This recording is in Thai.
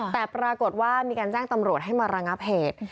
แต่ปรากฏว่ามีการแจ้งตำรวจให้มาระงับเหตุ